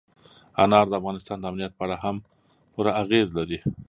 انار د افغانستان د امنیت په اړه هم پوره اغېز لري.